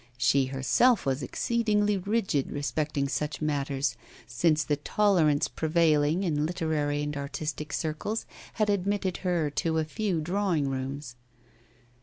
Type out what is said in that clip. She herself was exceedingly rigid respecting such matters since the tolerance prevailing in literary and artistic circles had admitted her to a few drawing rooms.